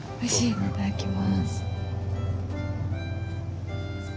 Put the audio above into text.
いただきます。